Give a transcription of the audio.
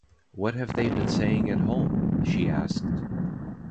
“What have they been saying at home?” she asked.